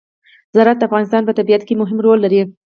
زراعت د افغانستان په طبیعت کې مهم رول لري.